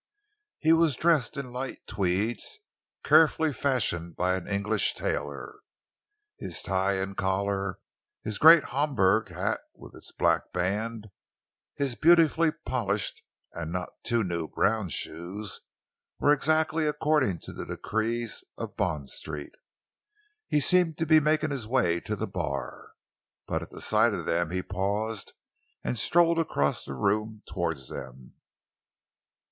He was dressed in light tweeds, carefully fashioned by an English tailor. His tie and collar, his grey Homburg hat with its black band, his beautifully polished and not too new brown shoes, were exactly according to the decrees of Bond Street. He seemed to be making his way to the bar, but at the sight of them he paused and strolled across the room towards them.